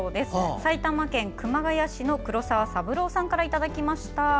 埼玉県熊谷市の黒澤三郎さんからいただきました。